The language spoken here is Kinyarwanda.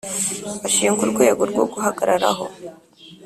Bashinga urwego rwo guhagararaho.